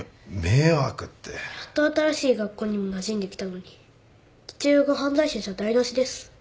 やっと新しい学校にもなじんできたのに父親が犯罪者じゃ台無しです。